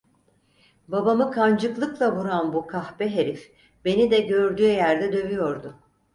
Babamı kancıklıkla vuran bu kahpe herif beni de gördüğü yerde dövüyordu.